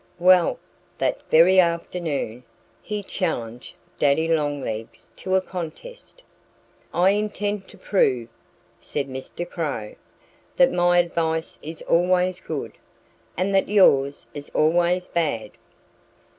Well, that very afternoon he challenged Daddy Longlegs to a contest. "I intend to prove," said Mr. Crow, "that my advice is always good; and that yours is always bad."